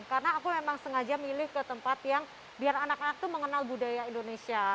karena aku memang sengaja milih ke tempat yang biar anak anak itu mengenal budaya indonesia